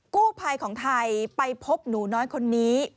กู้ภัยของไทยไปพบหนูน้อยคนนี้